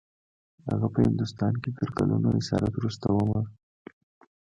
هغه په هندوستان کې تر کلونو اسارت وروسته مړ شو.